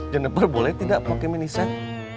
jennifer boleh tidak pakai mini set